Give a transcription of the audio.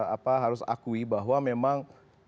apa harus akui bahwa memang